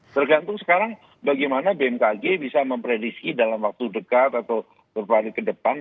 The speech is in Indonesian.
tergantung sekarang bagaimana bmkg bisa memprediksi dalam waktu dekat atau beberapa hari ke depan